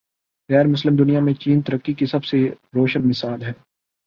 غیر مسلم دنیا میں چین ترقی کی سب سے روشن مثال ہے۔